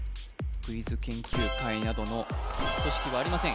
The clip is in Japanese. クイズ研究会などの組織はありません